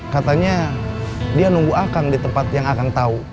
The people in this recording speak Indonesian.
katanya dia nunggu akang di tempat yang akan tahu